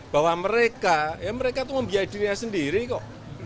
bahwa mereka ya mereka itu membiayai dirinya sendiri kok